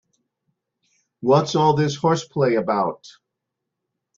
What's all this horseplay about?